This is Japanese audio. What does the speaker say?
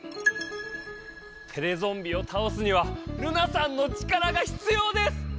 テレゾンビをたおすにはルナさんの力がひつようです！